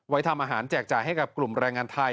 ทำอาหารแจกจ่ายให้กับกลุ่มแรงงานไทย